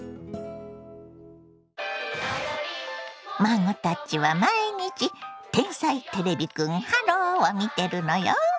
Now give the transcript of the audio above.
孫たちは毎日「天才てれびくんｈｅｌｌｏ，」を見てるのよ。